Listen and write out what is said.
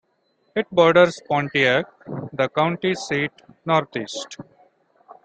It borders Pontiac, the county seat, northeast.